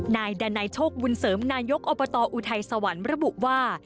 นายดันัยโชคบุญเสริมนายกอบตอุทัยสวรรค์ระบุว่า